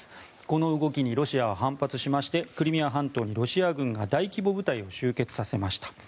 この動きにロシアは反発しましてクリミア半島にロシア軍が大規模部隊を集結させました。